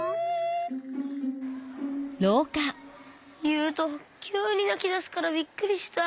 ゆうときゅうになきだすからびっくりした。